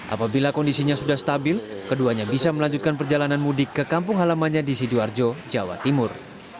apabila kondisinya sudah stabil keduanya bisa melanjutkan perjalanan mudik ke kampung halamannya di sidoarjo jawa timur